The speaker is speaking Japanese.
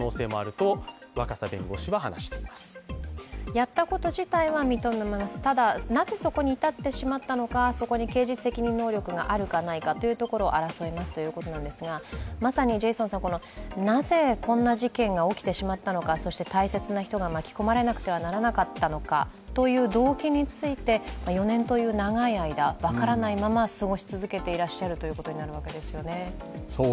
やったこと自体は認めます、ただ、なぜそこに至ってしまったのか、そこに刑事責任能力があるかどうかを争いますということなんですが、まさに、なぜこんな事件が起きてしまったのかそして大切な人が巻き込まれなければならなかったのかという動機について４年という長い間、分からないまま過ごし続けてらっしゃるということですよね。